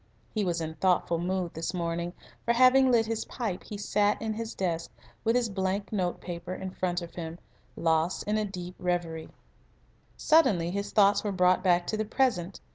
He was in thoughtful mood this morning, for having lit his pipe he sat at his desk with his blank note paper in front of him, lost in a deep reverie. Suddenly his thoughts were brought back to the present.